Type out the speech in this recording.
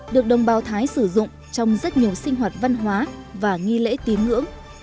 được đồng bào thái sử dụng trong rất nhiều sinh hoạt văn hóa và nghi lễ tín ngưỡng